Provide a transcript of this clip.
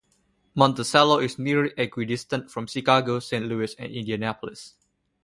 Monticello is nearly equidistant from Chicago, Saint Louis, and Indianapolis.